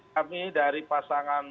kami dari pasangan